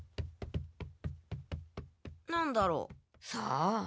なんだろう？さあ？